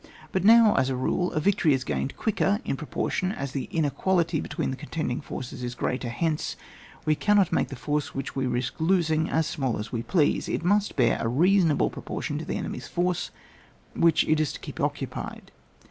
But now, as a rule, a victory is gained quicker in proportion as the in equality between the contending forces is greater ; hence, we cannot make the force which we risk losing, as small as we please; it must bear a resonable propor tion to the enemy's force, which it is to keep occupied.